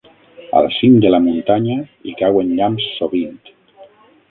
Al cim de la muntanya hi cauen llamps sovint.